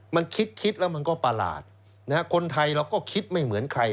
มันคิดแล้วมันก็ประหลาดคนไทยเราก็คิดไม่เหมือนใคร